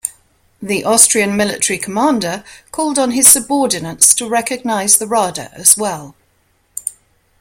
The Austrian military commander called on his subordinates to recognize the Rada as well.